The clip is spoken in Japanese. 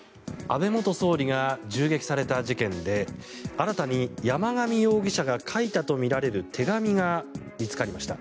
安倍元総理が銃撃された事件で新たに山上容疑者が書いたとみられる手紙が見つかりました。